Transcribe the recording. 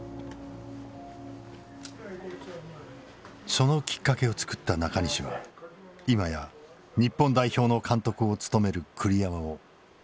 そのきっかけを作った中西は今や日本代表の監督を務める栗山をどう見ているのか。